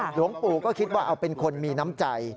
หลวงปู่ก็คิดว่าเอาเป็นคนมีน้ำใจ